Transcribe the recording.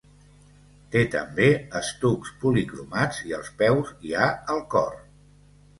Té també estucs policromats i als peus hi ha el cor.